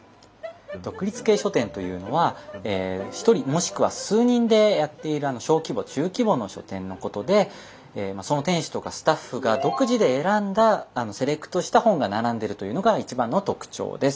独立系書店というのは１人もしくは数人でやっている小規模・中規模の書店のことでその店主とかスタッフが独自で選んだセレクトした本が並んでいるというのが一番の特徴です。